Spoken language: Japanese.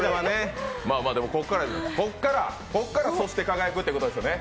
ここから、そして輝くということですよね？